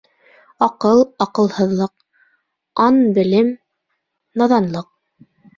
Аҡыл, аҡылһыҙлыҡ; ан-белем, наҙанлыҡ